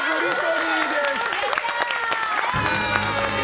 やったー！